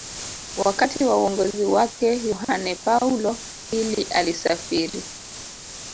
Wakati wa uongozi wake Yohane Paulo pili alisafiri